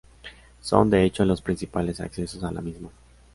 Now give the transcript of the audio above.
Son, de hecho los principales accesos a la misma.